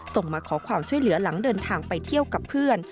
มาขอความช่วยเหลือหลังเดินทางไปเที่ยวกับเพื่อน